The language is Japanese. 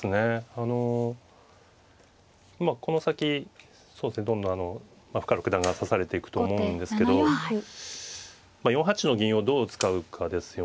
あのこの先どんどん深浦九段が指されていくと思うんですけどまあ４八の銀をどう使うかですよね。